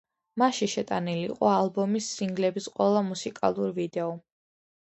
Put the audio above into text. მასში შეტანილი იყო ალბომის სინგლების ყველა მუსიკალური ვიდეო.